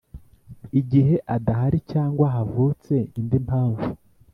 igihe adahari cyangwa havutse indi mpamvu